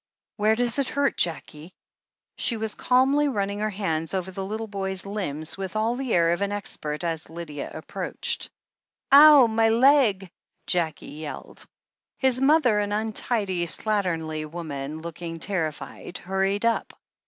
"Where does it hurt, Jackie ?" She was calmly running her hands over the little boy's limbs, with all the air of an expert, as Lydia ap proached. "Ow — ^my legT Jackie yelled. His mother, an untidy, slatternly woman, looking ter rified, hurried up.